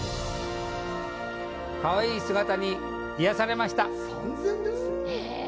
かわいい姿に癒やされました！